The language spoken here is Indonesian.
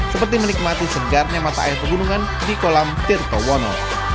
seperti menikmati segarnya mata air pegunungan di kolam tirtowono